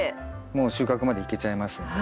もう収穫までいけちゃいますんで。